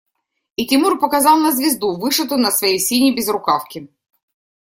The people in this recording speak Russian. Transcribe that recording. И Тимур показал на звезду, вышитую на своей синей безрукавке.